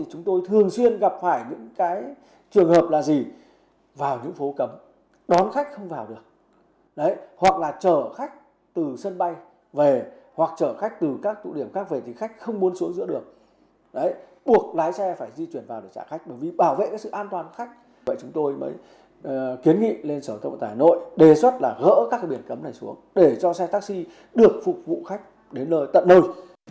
hiệp hội cũng kiến nghị sở giao thông vận tải hà nội đề xuất gỡ các biển cấm này xuống để cho xe taxi được phục vụ khách đến nơi tận nơi